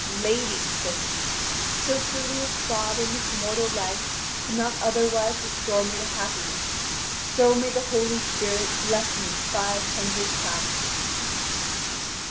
"Lady," says he, "so truly as God in this mortal life could not otherwise restore me to happiness, so may the Holy Spirit bless me five hundred times!"